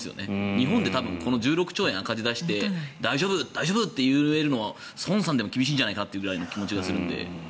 日本で多分１６兆円の赤字を出して大丈夫、大丈夫って言えるのは孫さんでも厳しいんじゃないかという気持ちがするので。